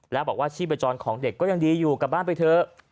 แล้วบอกว่าชีพจรของเด็กก็ยังดีอยู่กลับบ้านไปเถอะ